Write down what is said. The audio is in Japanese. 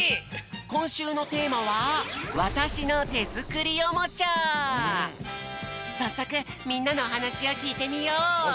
こんしゅうのテーマはさっそくみんなのおはなしをきいてみよう！